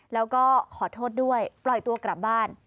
แล้วก็ขอโทษด้วยปล่อยตัวกลับบ้าน